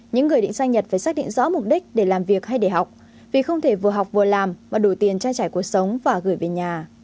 những người định sang nhật phải xác định rõ mục đích để làm việc hay để học vì không thể vừa học vừa làm mà đổi tiền trang trải cuộc sống và gửi về nhà